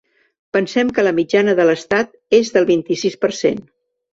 Pensem que la mitjana de l’estat és del vint-i-sis per cent.